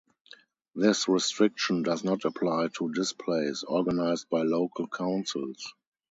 This restriction does not apply to displays organised by local Councils.